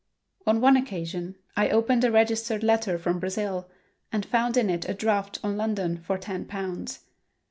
On one occasion I opened a registered letter from Brazil and found in it a draft on London for ten pounds.